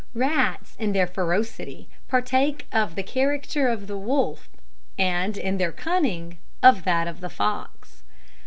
Rats, in their ferocity, partake of the character of the wolf, and in their cunning, of that of the fox.